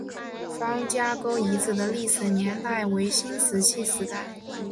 方家沟遗址的历史年代为新石器时代。